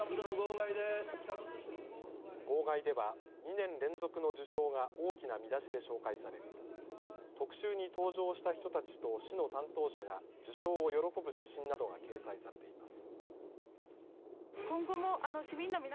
号外では２年連続の受賞が大きな見出しで紹介され特集に登場した人たちと市の担当者が受賞を喜ぶ写真などが掲載されています。